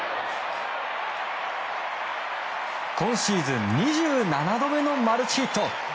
今シーズン２７度目のマルチヒット。